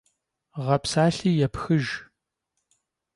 Ğepsalhi yêpxıjj.